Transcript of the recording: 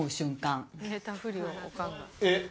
えっ？